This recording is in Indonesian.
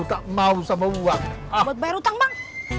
tak mau kau ya sudah